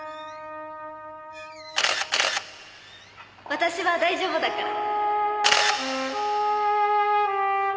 私は大丈夫だから。